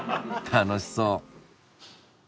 楽しそう。